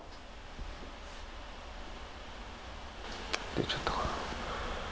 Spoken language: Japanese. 出ちゃったかな？